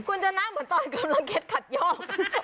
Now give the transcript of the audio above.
คุณจะนักเหมือนตอนกำลังเก็บขัดย่อม